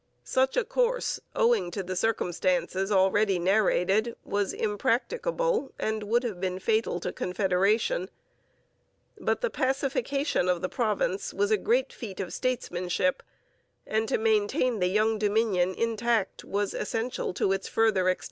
Such a course, owing to the circumstances already narrated, was impracticable and would have been fatal to Confederation. But the pacification of the province was a great feat of statesmanship; for to maintain the young Dominion intact was essential to its further extension.